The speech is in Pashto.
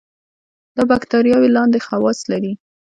دا باکتریاوې لاندې خواص لري.